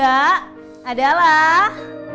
juara ketiga adalah